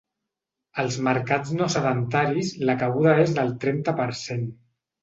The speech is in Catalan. Als mercats no sedentaris la cabuda és del trenta per cent.